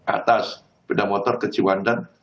atas sepeda motor ke ciwandan